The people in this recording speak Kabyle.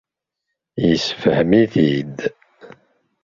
Yessefhem-it-id.